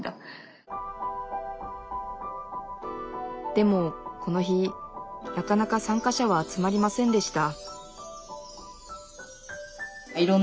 でもこの日なかなか参加者は集まりませんでした